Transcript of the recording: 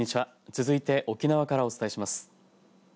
続いて沖縄からお伝えします。